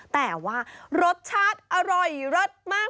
แต่ว่ารสชาติอร่อยเลิศมาก